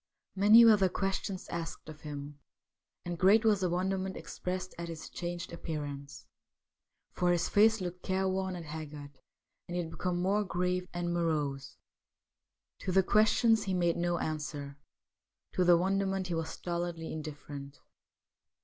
Many were the questions asked of him, and great was the wonderment expressed at his changed appearance ; for his face looked careworn and haggard, and he had become more grave and morose. To the questions he made no answer ; to the wonderment he was stolidly indifferent.